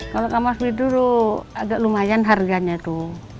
kalau ke mas widu itu agak lumayan harganya itu